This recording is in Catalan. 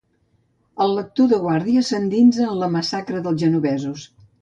El lector de guàrdia s'endinsa en la massacre dels genovesos.